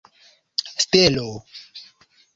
stelo